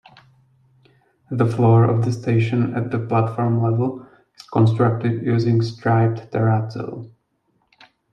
The floor of the station at the platform level is constructed using striped terrazzo.